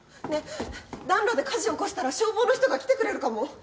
ねえ暖炉で火事起こしたら消防の人が来てくれるかも。